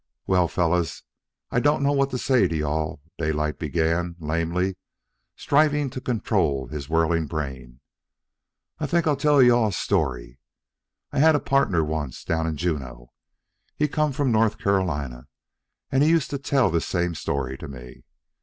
"Well, fellows, I don't know what to say to you all," Daylight began lamely, striving still to control his whirling brain. "I think I'll tell you all a story. I had a pardner wunst, down in Juneau. He come from North Caroliney, and he used to tell this same story to me.